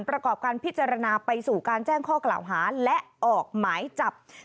ประกอบการพิจารณาไปสู่การแจ้งข้อกล่าวหาและออกหมายจับ